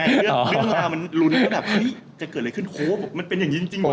เรื่องราวมันลุ้นว่าแบบเฮ้ยจะเกิดอะไรขึ้นโหมันเป็นอย่างนี้จริงเหรอ